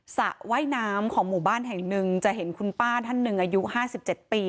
สระว่ายน้ำของหมู่บ้านแห่งหนึ่งจะเห็นคุณป้าท่านหนึ่งอายุ๕๗ปี